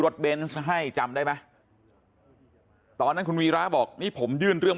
เบนส์ให้จำได้ไหมตอนนั้นคุณวีระบอกนี่ผมยื่นเรื่อง